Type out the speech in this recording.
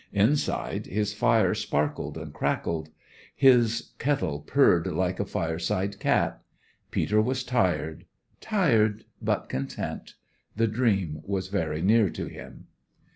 Inside, his fire sparkled and crackled; his kettle purred like a fireside cat. Peter was tired; tired, but content. The dream was very near to him.